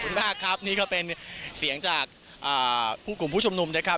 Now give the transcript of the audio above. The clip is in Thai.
มากครับนี่ก็เป็นเสียงจากผู้กลุ่มผู้ชุมนุมนะครับ